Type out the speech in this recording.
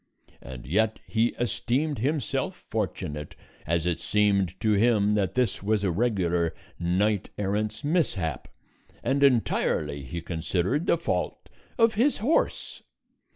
And yet he esteemed himself fortunate, as it seemed to him that this was a regular knight errant's mishap, and entirely, he considered, the fault of his horse.